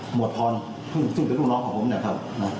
หมวกพรที่ลูกหนองของผมนะครับ